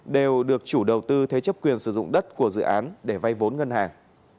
đều được chủ đầu tư thế chấp quyền sử dụng đất của dự án để vay vốn ngân hàng